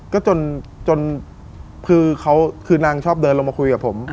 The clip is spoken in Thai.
ก็จนคือเขาคือนางชอบเดินลงมาคุยกับผม